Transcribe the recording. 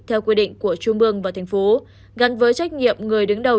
theo quy định của trung mương và thành phố gắn với trách nhiệm người đứng đầu